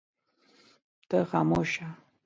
ته خاموش شه.